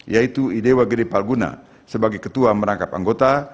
yaitu idewa gede palguna sebagai ketua merangkap anggota